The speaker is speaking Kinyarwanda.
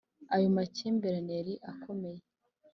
ayo makimbirane yari akomeye